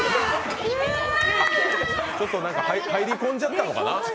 ちょっと入り込んじゃったのかな？